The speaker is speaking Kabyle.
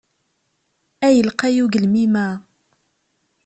Ay lqay ugelmim-a!